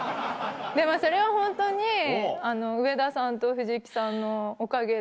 でもそれはホントに上田さんと藤木さんのおかげで。